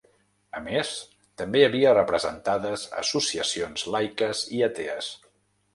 A més, també hi havia representades associacions laiques i atees.